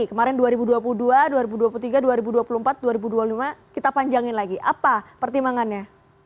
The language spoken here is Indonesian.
kemarin dua ribu dua puluh dua dua ribu dua puluh tiga dua ribu dua puluh empat dua ribu dua puluh lima kita panjangin lagi apa pertimbangannya